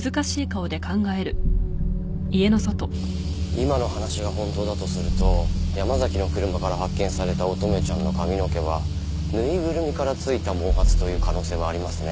今の話が本当だとすると山崎の車から発見された乙女ちゃんの髪の毛はぬいぐるみからついた毛髪という可能性がありますね。